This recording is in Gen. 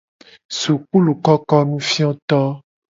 Sukulukokonufioto.